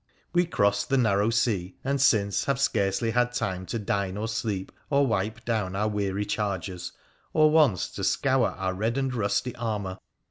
We crossed the narrow sea ; and since, have scarcely had time to dine or sleep, or xvipe down our weary chargers, or once to scour our red and rusty armour.